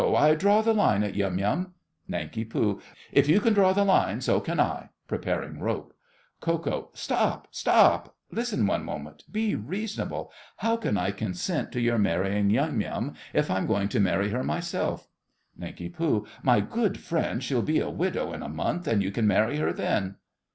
I draw the line at Yum Yum. NANK. Very good. If you can draw the line, so can I. (Preparing rope.) KO. Stop, stop—listen one moment—be reasonable. How can I consent to your marrying Yum Yum if I'm going to marry her myself? NANK. My good friend, she'll be a widow in a month, and you can marry her then.